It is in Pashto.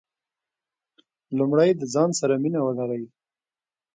لومړی د ځان سره مینه ولرئ .